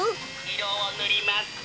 いろをぬります。